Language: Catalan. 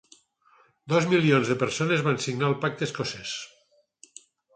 Dos milions de persones van signar el Pacte escocès.